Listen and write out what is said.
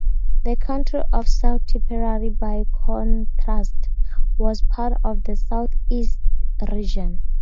The county of South Tipperary, by contrast, was part of the South-East Region.